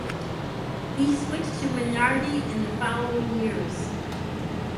He switched to Minardi in the following years.